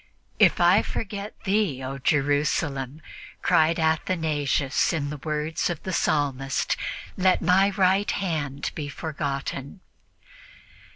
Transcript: "If I forget thee, O Jerusalem," cried Athanasius in the words of the Psalmist, "let my right hand be forgotten."